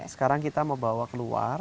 sekarang kita mau bawa keluar